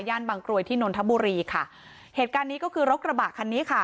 บางกรวยที่นนทบุรีค่ะเหตุการณ์นี้ก็คือรถกระบะคันนี้ค่ะ